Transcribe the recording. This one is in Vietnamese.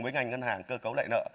với ngành ngân hàng cơ cấu lại nợ